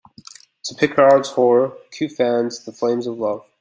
To Picard's horror, Q fans the flames of love.